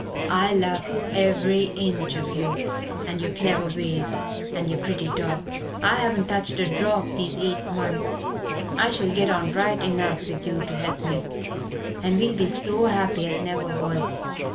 I love every inch of you, and your clever ways, and your pretty talk. I haven't touched a drop these eight months I shall get on right enough with you to help me and we'll be so happy as never was.